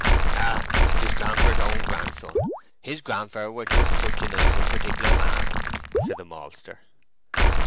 "Ah, he's his grandfer's own grandson!—his grandfer were just such a nice unparticular man!" said the maltster.